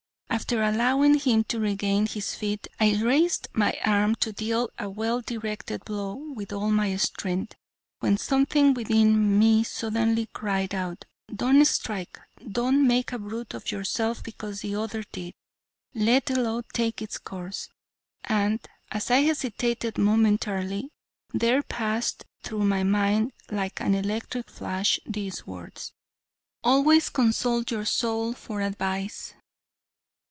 After allowing him to regain his feet, I raised my arm to deal a well directed blow with all my strength, when something within me suddenly cried out: "Don't strike." "Don't make a brute of yourself because the other did." "Let the law take its course." And, as I hesitated momentarily, there passed through my mind like an electric flash, these words: "Always consult your soul for advice.